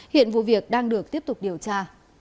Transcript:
hiện vụ việc đang được tiếp tục điều tra